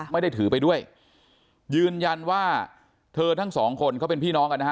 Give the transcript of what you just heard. ไม่ได้ถือไปด้วยยืนยันว่าเธอทั้งสองคนเขาเป็นพี่น้องกันนะฮะ